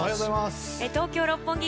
東京・六本木